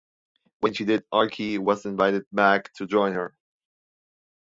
When she did, Archie was invited back to join her.